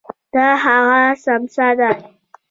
دا هماغه څمڅه ده.